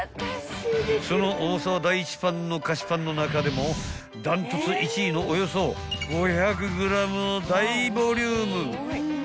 ［その重さは第一パンの菓子パンの中でも断トツ１位のおよそ５００ｇの大ボリューム］